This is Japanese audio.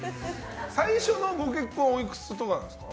最初のご結婚はおいくつなんですか？